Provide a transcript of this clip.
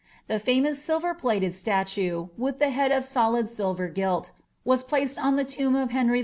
'* The famous nilver plaled itue, with the head of solid silver gilt, was placed on the tomb <tf ^ F»ry V.